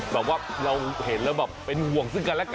เราก็เห็นแล้วเป็นห่วงซึ่งกันและกันน่ะ